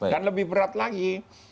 dan lebih berat lagi